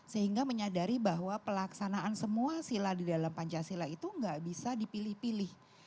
sehingga menyadari bahwa pelaksanaan semua sila di dalam pancasila itu nggak bisa dipilih pilih